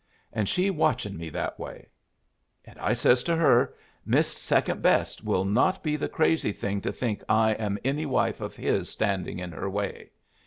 And she watchin' me that way! And I says to her: 'Miss Second Best will not be the crazy thing to think I am any wife of his standing in her way.